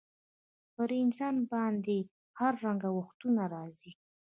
پر انسان باندي هر رنګه وختونه راځي.